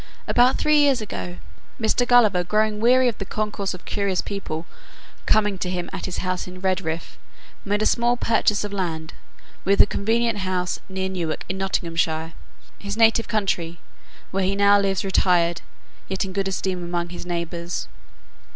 About three years ago, Mr. Gulliver growing weary of the concourse of curious people coming to him at his house in Redriff, made a small purchase of land, with a convenient house, near Newark, in Nottinghamshire, his native country; where he now lives retired, yet in good esteem among his neighbours.